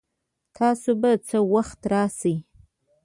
تاسو به څه وخت راشئ؟